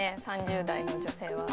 ３０代の女性は。